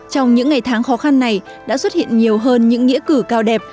trong những ngày tháng khó khăn này đã xuất hiện nhiều hơn những nghĩa cử cao đẹp